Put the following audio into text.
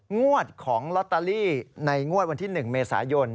งวดของลอตเตอรี่ในงวดวันที่๑เมษายน